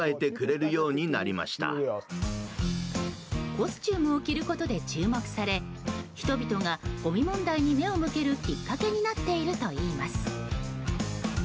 コスチュームを着ることで注目され人々が、ごみ問題に目を向けるきっかけになっているといいます。